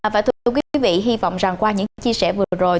và thưa quý vị hy vọng rằng qua những chia sẻ vừa rồi